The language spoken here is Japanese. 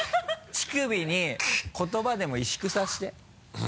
乳首に言葉でも萎縮させて。